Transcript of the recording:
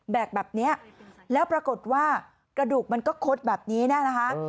แบบนี้แล้วปรากฏว่ากระดูกมันก็คดแบบนี้นะคะ